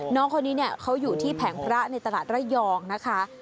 น้องคนนี้เนี่ยเขาอยู่ที่แผงพระในตลาดระยองนะคะ